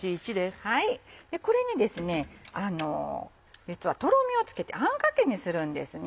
これにですね実はとろみをつけてあんかけにするんです。